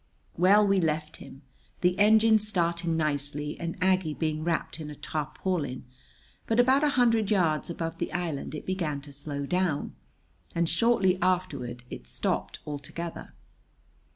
Well, we left him, the engine starting nicely and Aggie being wrapped in a tarpaulin; but about a hundred yards above the island it began to slow down, and shortly afterward it stopped altogether.